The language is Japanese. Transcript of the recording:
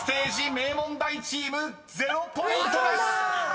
名門大チーム０ポイントです！］